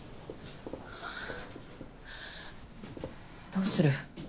どうする？